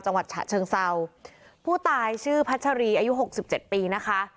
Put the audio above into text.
จังหวัดฉะเชิงเศร้าผู้ตายชื่อพัชรีอายุหกสิบเจ็ดปีนะคะ